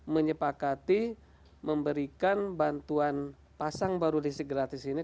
menyepakati memberikan bantuan pasang baru listrik gratis ini